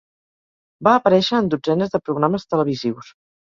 Va aparèixer en dotzenes de programes televisius.